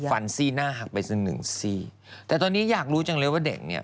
ซี่หน้าหักไปสักหนึ่งซี่แต่ตอนนี้อยากรู้จังเลยว่าเด็กเนี่ย